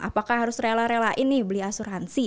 apakah harus rela relain nih beli asuransi